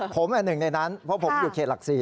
ผมหนึ่งในนั้นเพราะผมอยู่เขตหลัก๔